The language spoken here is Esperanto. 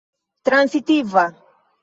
transitiva